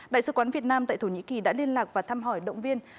đại sứ quán việt nam tại thổ nhĩ kỳ đã liên lạc và thăm hỏi động viên